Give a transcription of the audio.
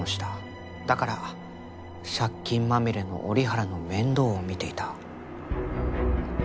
だから借金まみれの折原の面倒を見ていた。